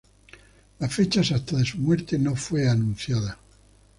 La fecha exacta de su muerte no fue anunciada.